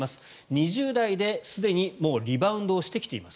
２０代ですでにもうリバウンドをしてきています。